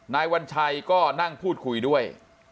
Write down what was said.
นายวัญชัยก็นั่งพูดคุยด้วย